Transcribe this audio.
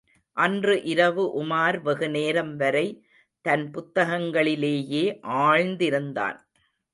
அன்று இரவு உமார் வெகுநேரம் வரை தன் புத்தகங்களிலேயே ஆழ்ந்திருந்தான்.